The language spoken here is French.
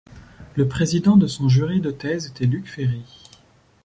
Le président de son jury de thèse était Luc Ferry.